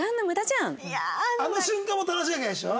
あの瞬間も楽しいわけでしょ？